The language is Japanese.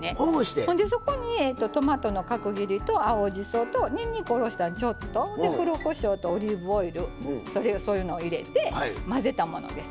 ほんでそこにトマトの角切りと青じそとにんにくおろしたのちょっと。で黒こしょうとオリーブオイルそういうのを入れて混ぜたものです。